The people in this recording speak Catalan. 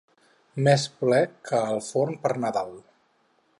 Més ple que el forn per Nadal.